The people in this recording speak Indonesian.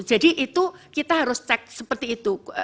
jadi itu kita harus cek seperti itu